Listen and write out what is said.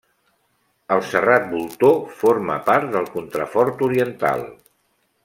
El Serrat Voltor forma part del Contrafort oriental.